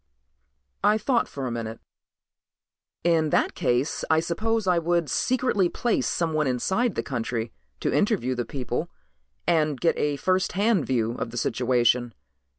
I thought for a minute. "In that case I suppose I would secretly place someone inside the country to interview the people and get a first hand view of the situation.